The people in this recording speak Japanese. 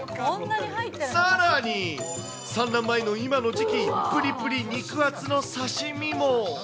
さらに、産卵前の今の時期、ぷりぷり肉厚の刺身も。